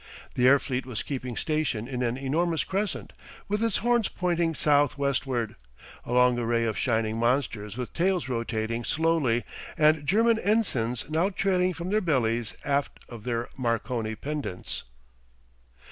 The air fleet was keeping station in an enormous crescent, with its horns pointing south westward, a long array of shining monsters with tails rotating slowly and German ensigns now trailing from their bellies aft of their Marconi pendants.